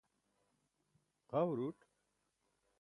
xa huruṭ